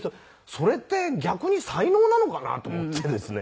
それって逆に才能なのかなと思ってですね。